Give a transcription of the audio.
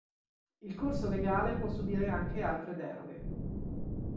Il corso legale può subire anche altre deroghe.